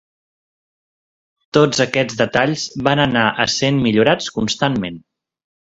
Tots aquests detalls van anar essent millorats constantment.